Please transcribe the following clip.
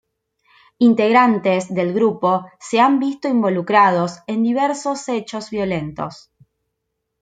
Integrantes del grupo se han visto involucrados en diversos hechos violentos.